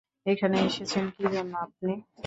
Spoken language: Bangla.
এখানে এসেছেন কিজন্য আপনি?